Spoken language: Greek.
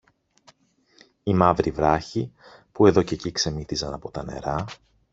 οι μαύροι βράχοι, που εδώ κι εκεί ξεμύτιζαν από τα νερά